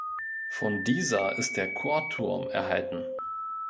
Von dieser ist der Chorturm erhalten.